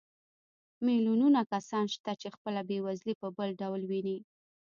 میلیونونه کسان شته چې خپله بېوزلي په بل ډول ویني